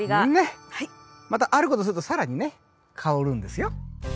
またあることすると更にね香るんですよ。